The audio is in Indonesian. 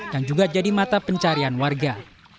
dan juga jadi mata pencarian warga